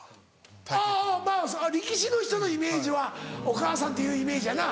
まぁ力士の人のイメージは「お母さん」っていうイメージやな。